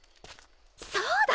そうだ！